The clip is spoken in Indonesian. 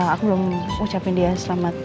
aku belum ucapin dia selamat